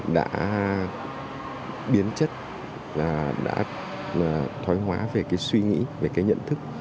đã biến chất đã thói hóa về cái suy nghĩ về cái nhận thức